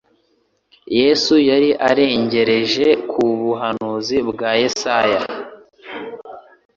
Yesu yari arengereje ku buhanuzi bwa Yesaya